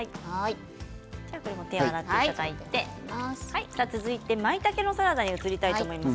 では手を洗っていただいて続いてまいたけのサラダに移ります。